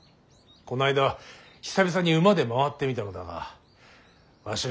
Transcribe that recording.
この間久々に馬で回ってみたのだがわし